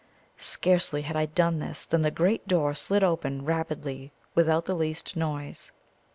Scarcely had I done this than the great door slid open rapidly without the least noise.